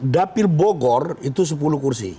dapil bogor itu sepuluh kursi